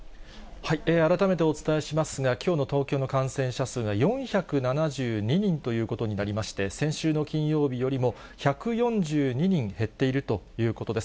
改めてお伝えしますが、きょうの東京の感染者数が４７２人ということになりまして、先週の金曜日よりも１４２人減っているということです。